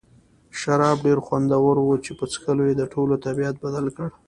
شراب ډېر خوندور وو چې په څښلو یې د ټولو طبیعت بدل کړ.